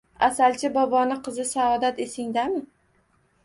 Asalchi boboni qizi Saodat esingizdami